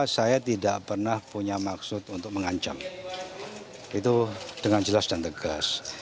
saya tidak pernah punya maksud untuk mengancam itu dengan jelas dan tegas